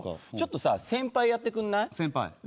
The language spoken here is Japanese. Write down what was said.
ちょっとさ先輩やってくんない？